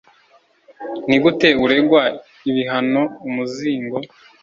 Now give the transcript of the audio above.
Nigute uregwa ibihano umuzingo